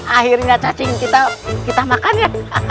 akhirnya cacing kita makan ya